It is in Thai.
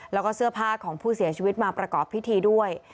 แล้วก็เสื้อผ้าของผู้เสียชีวิตมาประกอบพิธีด้วย